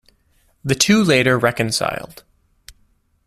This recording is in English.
The two later reconciled.